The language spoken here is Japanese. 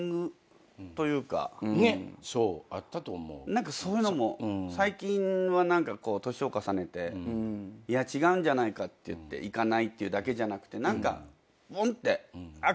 何かそういうのも最近は何かこう年を重ねていや違うんじゃないかっていって行かないっていうだけじゃなくて何かポンってあっ